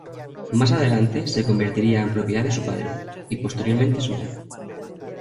Más adelante se convertiría en propiedad de su padre, y posteriormente suya.